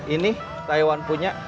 ini taiwan punya